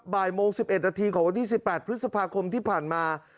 บ่ายโมง๑๑นาทีของวันที่๑๘พฤษภาคมที่ผ่านมา